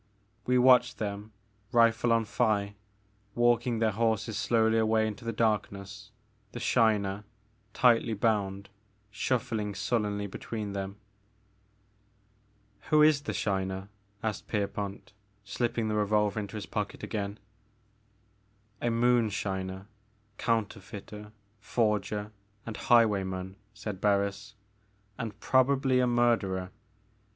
We watched them, rifle on thigh, walking their horses slowly away into the darkness, the Shiner, tightly bound, shuffling sullenly between them. Who is the Shiner? asked Pierpont, slip ping the revolver into his pocket again. A moonshiner, counterfeiter, forger, and highwayman, said Barris, and probably a murderer.